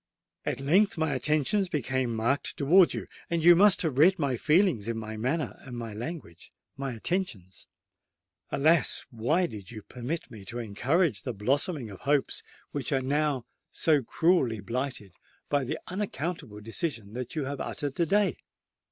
At length my attentions became marked towards you,—and you must have read my feelings in my manner—my language—and my attentions. Alas! why did you permit me to encourage the blossoming of hopes which are now so cruelly blighted by the unaccountable decision that you have uttered to day?"